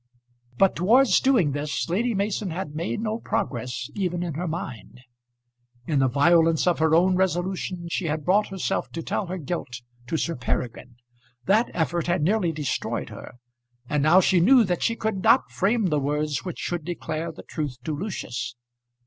But towards doing this Lady Mason had made no progress even in her mind. In the violence of her own resolution she had brought herself to tell her guilt to Sir Peregrine. That effort had nearly destroyed her, and now she knew that she could not frame the words which should declare the truth to Lucius.